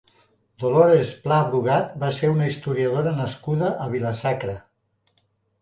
Dolores Pla Brugat va ser una historiadora nascuda a Vila-sacra.